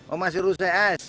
oh masih rusai es